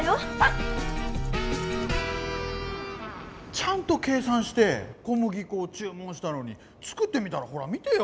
ちゃんと計算してこむぎこをちゅう文したのに作ってみたらほら見てよ！